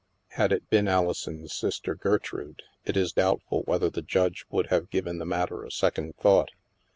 Had it been Alison's sister, Gertrude, it is doubtful whether the Judge would have given the matter a second thought.